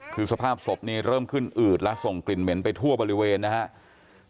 คือสภาพศพนี้เริ่มขึ้นอืดและส่งกลิ่นเหม็นไปทั่วบริเวณนะครับ